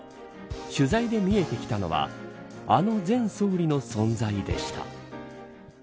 取材で見えてきたのはあの前総理の存在でした。